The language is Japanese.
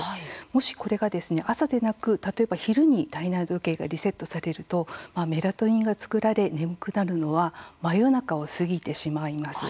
もしこれが朝でなく例えば昼に体内時計がリセットされるとメラトニンが作られ眠くなるのは真夜中を過ぎてしまいます。